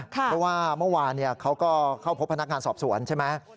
เพราะว่าเมื่อวานเขาก็เข้าพบพนักงานสอบสวนใช่ไหม